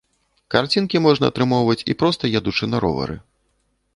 Карцінкі можна атрымоўваць і проста едучы на ровары.